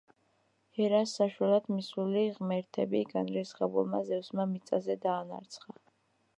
ჰერას საშველად მისული ღმერთები განრისხებულმა ზევსმა მიწაზე დაანარცხა.